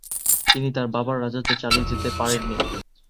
তিনি তাঁর বাবার রাজত্ব চালিয়ে যেতে পারেন নি।